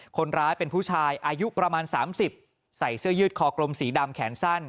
คนร้ายเป็นผู้ชายอายุประมาณ๓๐ใส่เสื้อยืดคอกลมสีดำแขนสั้น